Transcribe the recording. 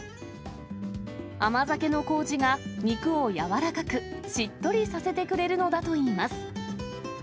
甘酒のこうじが肉を柔らかく、しっとりさせてくれるのだといいます。